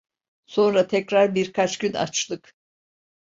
Sonra tekrar birkaç gün açlık…